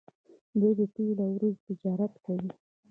دوی د تیلو او وریجو تجارت کوي.